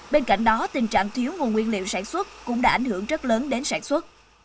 bên cạnh đó tình trạng thiếu nguồn nguyên liệu sản xuất cũng đã ảnh hưởng rất lớn đến sản xuất